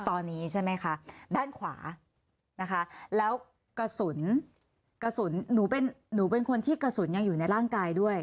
ตอนนี้ใช่ไหมคะด้านขวานะคะแล้วกระสุนกระสุนหนูเป็นหนูเป็นคนที่กระสุนยังอยู่ในร่างกายด้วย